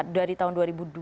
dari tahun dua ribu dua